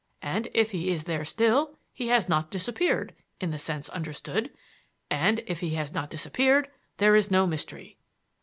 And if he is there still, he has not disappeared in the sense understood. And if he has not disappeared, there is no mystery."